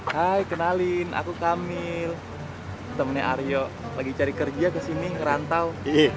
hai kenalin aku kamil temennya aryo lagi cari kerja kesini ngerantau